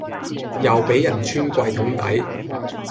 又俾人穿櫃桶底